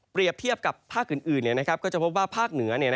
เทียบกับภาคอื่นก็จะพบว่าภาคเหนือ